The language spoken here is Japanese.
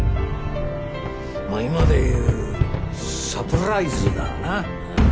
まあ今でいうサプライズだな。